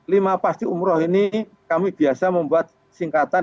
lima pasti umroh ini kami biasa membuat singkatan